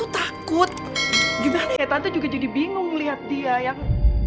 tante juga jadi bingung liat dia yang